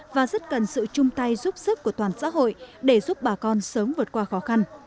và rất cần sự chung tay giúp sức của toàn xã hội để giúp bà con sớm vượt qua khó khăn